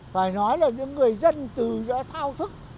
phải nói là những người dân từ cái thao thức